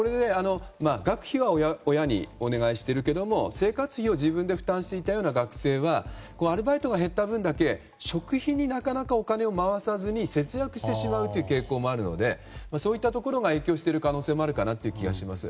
学費は親にお願いしているけれども生活費を自分で負担していたような学生はアルバイトが減った分だけ食費になかなかお金を回さずに節約してしまう当為傾向もあるのでそういったところが影響している可能性もあるかなという気がいたします。